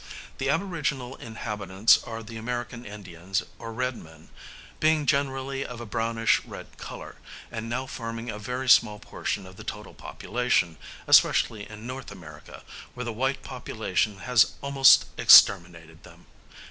The aboriginal inhabitants are the American Indians or red men, being generally of a brownish red colour, and now forming a very small portion of the total population, especially in N. America, where the white population has almost exterminated them.